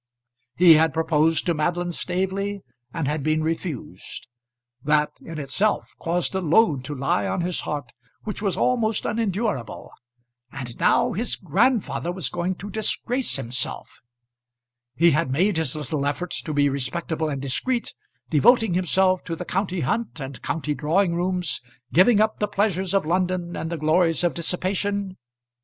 He had proposed to Madeline Staveley and had been refused. That in itself caused a load to lie on his heart which was almost unendurable; and now his grandfather was going to disgrace himself. He had made his little effort to be respectable and discreet, devoting himself to the county hunt and county drawing rooms, giving up the pleasures of London and the glories of dissipation.